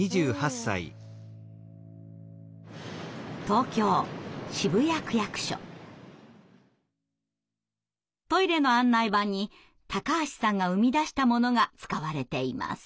東京トイレの案内板に橋さんが生み出したものが使われています。